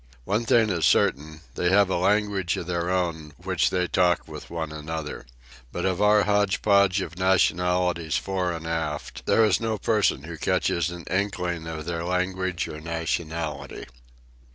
One thing is certain, they have a language of their own which they talk with one another. But of our hotch potch of nationalities fore and aft there is no person who catches an inkling of their language or nationality.